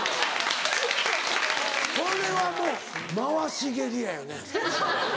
これはもう回し蹴りやよね。